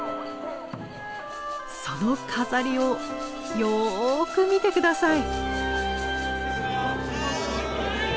その飾りをよく見て下さい！